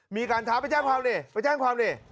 มีการท้าไปแจ้งความดิไปแจ้งความดิ